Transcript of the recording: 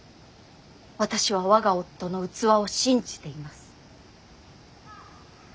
私は我が夫の器を信じています。